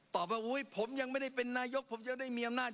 ตอบว่าอุ๊ยผมยังไม่ได้เป็นนายกผมจะได้มีอำนาจ